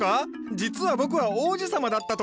実は僕は王子様だったとか？